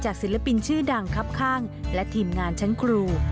ศิลปินชื่อดังครับข้างและทีมงานชั้นครู